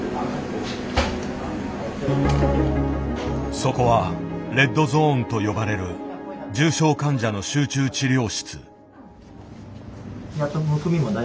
そこはレッドゾーンと呼ばれる重症患者の集中治療室。